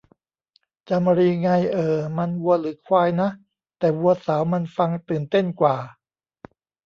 จามรี ไง เอ่อ มัน วัวหรือควายนะ แต่วัวสาวมันฟังตื่นเต้นกว่า